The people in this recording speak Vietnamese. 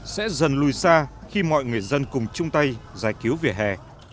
sẽ dần lùi xa khi mọi người dân cùng chung tay giải cứu vỉa hè